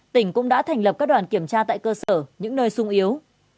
tỉnh cũng đã thành lập các đoàn kiểm tra tại cơ sở những nơi sung yếu